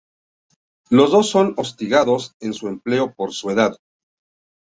Los dos son hostigados en su empleo por su edad.